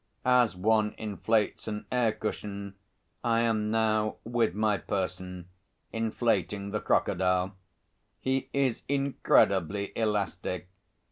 As one inflates an air cushion, I am now with my person inflating the crocodile. He is incredibly elastic.